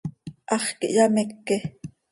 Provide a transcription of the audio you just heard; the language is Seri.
Hax quih hyameque.